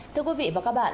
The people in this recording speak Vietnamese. thưa quý vị và các bạn